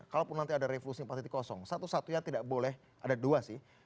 kalaupun nanti ada revolusi yang pasti kosong satu satunya tidak boleh ada dua sih